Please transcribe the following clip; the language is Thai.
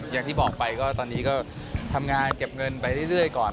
อย่างที่บอกไปก็ตอนนี้ก็ทำงานเก็บเงินไปเรื่อยก่อน